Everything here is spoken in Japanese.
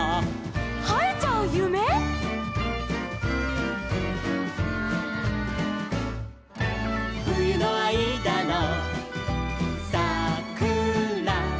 「はえちゃうゆめ」「ふゆのあいだのさくら」